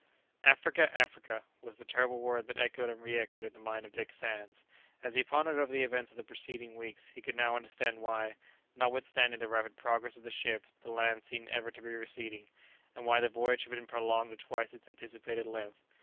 "Africa! Africa!" was the terrible word that echoed and re echoed in the mind of Dick Sands. As he pondered over the events of the preceding weeks he could now understand why, notwithstanding the rapid progress of the ship, the land seemed ever to be receding, and why the voyage had been prolonged to twice its anticipated length.